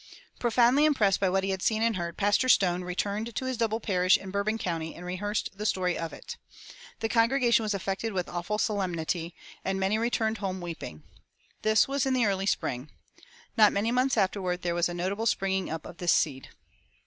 Profoundly impressed by what he had seen and heard, Pastor Stone returned to his double parish in Bourbon County and rehearsed the story of it. "The congregation was affected with awful solemnity, and many returned home weeping." This was in the early spring. Not many months afterward there was a notable springing up of this seed.